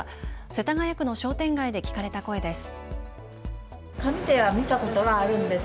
世田谷区の商店街で聞かれた声です。